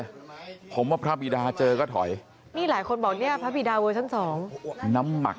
ยิ่งกว่าเจอสัมภเวษีนั่นคุณอำฟ้า